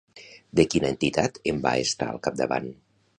De quina entitat en va estar al capdavant?